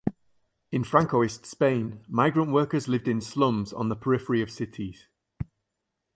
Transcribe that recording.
In Francoist Spain migrant workers lived in slums on the periphery of cities.